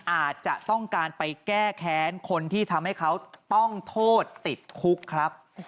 อาจจะต้องการไปแก้แค้นคนที่ทำให้เขาต้องโทษติดคุกครับ